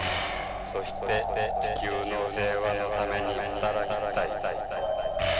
そして地球の平和のために働きたい。